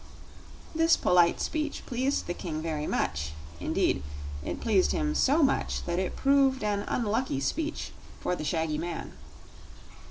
This polite speech pleased the King very much; indeed, it pleased him so much that it proved an unlucky speech for the shaggy man.